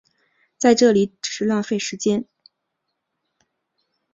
在这里只是浪费时间